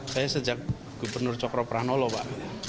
saya sejak gubernur cokro pranolo pak